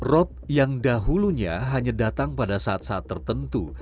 rob yang dahulunya hanya datang pada saat saat tertentu